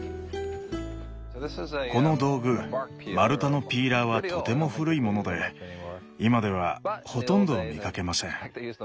この道具丸太のピーラーはとても古いもので今ではほとんど見かけません。